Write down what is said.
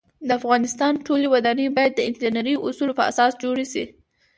د افغانستان ټولی ودانۍ باید د انجنيري اوصولو په اساس جوړې شی